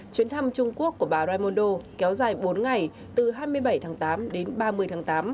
chuyến thăm trung quốc của bà raimondo kéo dài bốn ngày từ hai mươi bảy tháng tám đến ba mươi tháng tám